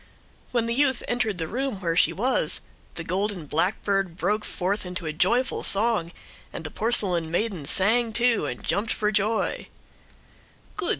When the youth entered the room where she was the golden blackbird broke forth into a joyful song, and the porcelain maiden sang too and jumped for joy.